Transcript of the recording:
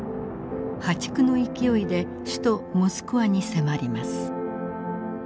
破竹の勢いで首都モスクワに迫ります。